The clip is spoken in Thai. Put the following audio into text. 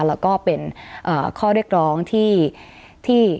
แล้วก็เป็นข้อเรียกร้องที่